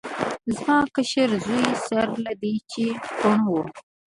زما کشر زوی سره له دې چې کوڼ و.